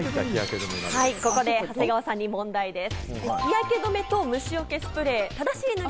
ここで長谷川さんに問題です。